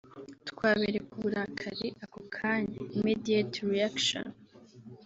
twabereka uburakari ako kanya (immediate reaction)”